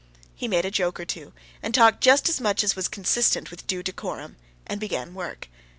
He made a joke or two, and talked just as much as was consistent with due decorum, and began work.